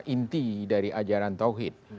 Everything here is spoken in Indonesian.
inti dari ajaran tauhid